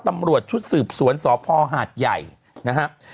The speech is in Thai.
ตำรวจชุดสืบสวนสพหาดใหญ่นะครับ